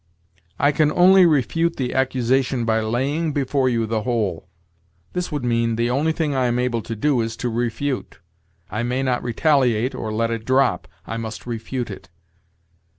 'I can only refute the accusation by laying before you the whole': this would mean, 'the only thing I am able to do is to refute; I may not retaliate, or let it drop, I must refute it.'